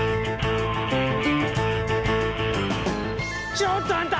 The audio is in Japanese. ちょっとあんた！